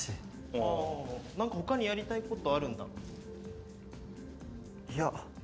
あ何か他にやりたいことあるんだいや